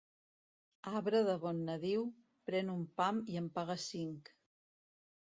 Arbre de bon nadiu, pren un pam i en paga cinc.